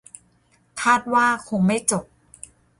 คาดว่าคงไม่จบ -'